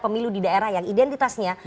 pemilu di daerah yang identitasnya